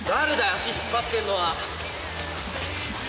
足引っ張ってんのは。